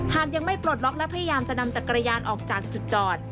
หากยังไม่ปลดล็อกและพยายามจะนำจักรยานออกจากจุดจอด